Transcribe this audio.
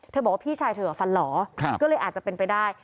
บอกว่าพี่ชายเธอฟันหล่อก็เลยอาจจะเป็นไปได้